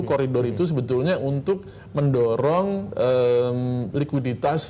koridor itu sebetulnya untuk mendorong likuiditas